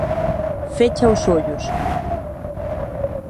Fecha os ollos;